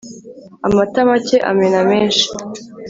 amata make amena menshi